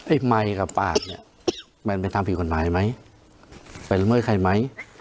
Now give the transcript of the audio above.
ไอ้ไมค์กับปากเนี่ยมันไปทำผิดคนมายไหมเป็นเมื่อใครไหม